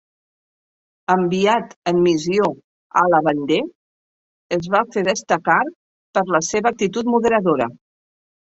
Enviat en missió a la Vendée, es va fer destacar per la seva actitud moderadora.